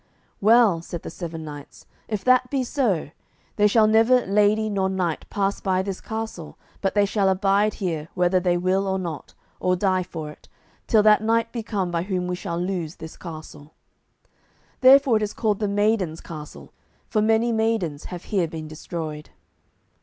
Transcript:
"'Well,' said the seven knights, 'if that be so, there shall never lady nor knight pass by this castle but they shall abide here, whether they will or not, or die for it, till that knight be come by whom we shall lose this castle.' Therefore it is called the Maidens' Castle, for many maidens have here been destroyed."